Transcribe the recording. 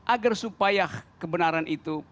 agar supaya kebenaran itu